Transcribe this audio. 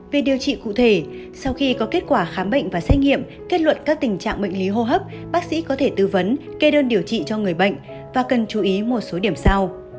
về điều trị cụ thể sau khi có kết quả khám bệnh và xét nghiệm kết luận các tình trạng bệnh lý hô hấp bác sĩ có thể tư vấn kê đơn điều trị cho người bệnh và cần chú ý một số điểm sau